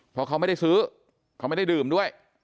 เพราะเขาไม่ได้ซื้อเขาไม่ได้ดื่มด้วย